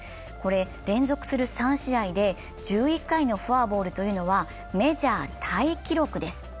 連続する３試合で１１回のフォアボールというのはメジャータイ記録です。